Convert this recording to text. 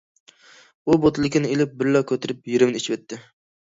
ئۇ بوتۇلكىنى ئېلىپ بىرلا كۆتۈرۈپ يېرىمىنى ئىچىۋەتتى.